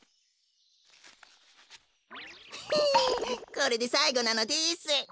これでさいごなのです。